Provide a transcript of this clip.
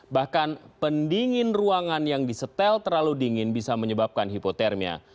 bahkan pendingin ruangan yang disetel terlalu dingin bisa menyebabkan hipotermia